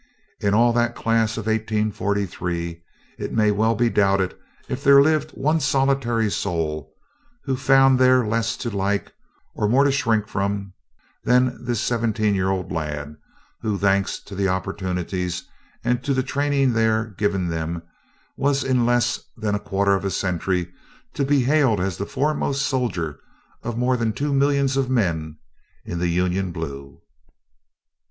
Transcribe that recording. In all that class of 1843, it may well be doubted if there lived one solitary soul who found there less to like or more to shrink from, than this seventeen year old lad who, thanks to the opportunities and to the training there given them, was in less than a quarter of a century to be hailed as the foremost soldier of more than two millions of men in the Union blue."